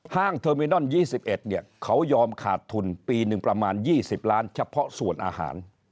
เทอร์มินอน๒๑เขายอมขาดทุนปีหนึ่งประมาณ๒๐ล้านเฉพาะส่วนอาหาร